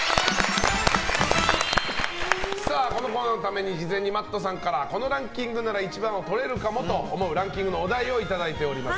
このコーナーのために事前にＭａｔｔさんからこのランキングなら１番をとれるかもと思うランキングのお題をいただいております。